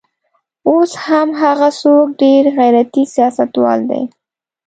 اوس هم هغه څوک ډېر غیرتي سیاستوال دی.